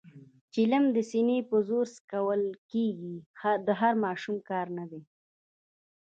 چلم د سینې په زور څکول کېږي، د هر ماشوم کار نه دی.